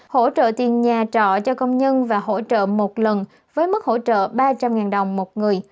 hỗ trợ tiền nhà trọ cho công nhân và hỗ trợ một lần với mức hỗ trợ ba trăm linh đồng một người